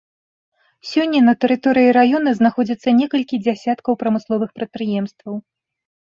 Сёння на тэрыторыі раёна знаходзяцца некалькі дзясяткаў прамысловых прадпрыемстваў.